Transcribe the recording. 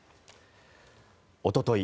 おととい